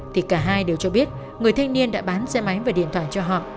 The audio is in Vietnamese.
thì cả hai đều cho biết người thanh niên đã bán xe máy và điện thoại cho họ